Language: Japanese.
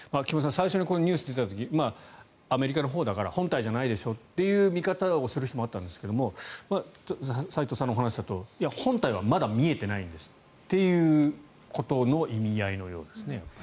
最初にニュース出た時アメリカのほうだから本体じゃないでしょという見方をする人もあったんですが齋藤さんのお話だと本体はまだ見えていないんですということの意味合いのようですね。